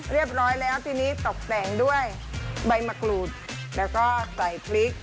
เรียบร้อยแล้วทีนี้ตกแต่งด้วยใบมะกรูดแล้วก็ใส่พริก